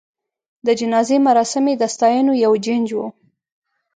د جنازې مراسم یې د ستاینو یو جنج و.